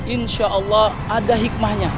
insya allah ada hikmahnya